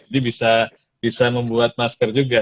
jadi bisa membuat masker juga